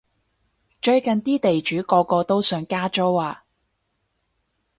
最近啲地主個個都想加租啊